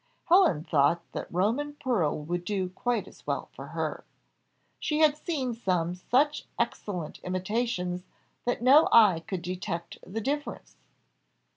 Helen thought that Roman pearl would do quite as well for her. She had seen some such excellent imitations that no eye could detect the difference.